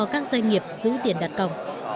các doanh nghiệp giữ tiền đặt cộng